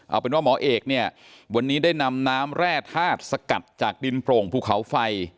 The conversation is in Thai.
เอาเป็นว่าหมอเอกเนี่ยวันนี้ได้นำน้ำแร่ธาตุสกัดจากดินโปร่งภูเขาไฟ